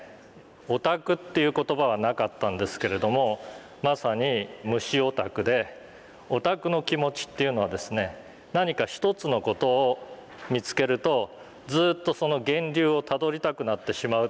オタクっていう言葉はなかったんですけれどもまさに虫オタクでオタクの気持ちっていうのはですね何か一つの事を見つけるとずっとその源流をたどりたくなってしまう。